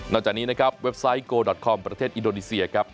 จากนี้นะครับเว็บไซต์โกดอทคอมประเทศอินโดนีเซียครับ